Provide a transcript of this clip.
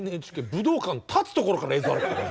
武道館建つところから映像あるからね。